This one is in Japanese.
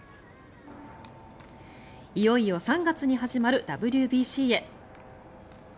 いよいよ３月に始まるＷＢＣへ。